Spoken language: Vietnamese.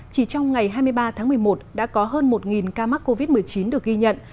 chỉ trong ngày hai mươi ba tháng một mươi một đã có hơn một ca mắc covid một mươi chín được ghi nhận